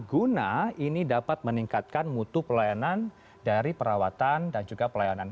guna ini dapat meningkatkan mutu pelayanan dari perawatan dan juga pelayanan